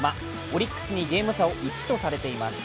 オリックスにゲーム差を１とされています。